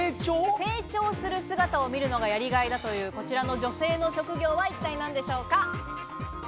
成長する姿を見るのがやりがいだというこちらの女性の職業は一体何でしょうか？